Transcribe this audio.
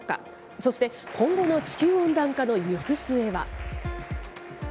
そして今後の地球温暖化の行く末は。